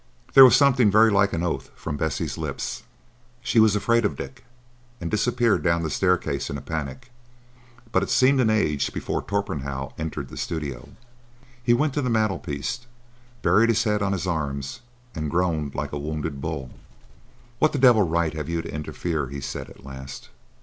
There was something very like an oath from Bessie's lips. She was afraid of Dick, and disappeared down the staircase in panic, but it seemed an age before Torpenhow entered the studio. He went to the mantelpiece, buried his head on his arms, and groaned like a wounded bull. "What the devil right have you to interfere?" he said, at last.